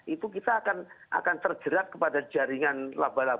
itu kita akan terjerat kepada jaringan laba laba